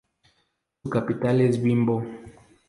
Su capital es Bimbo.